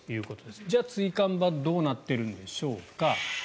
じゃあ、椎間板どうなってるんでしょうか。